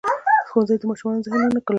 ښوونځی د ماشومو ذهنونو ګلزار دی